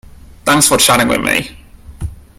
Thanks for chatting with me.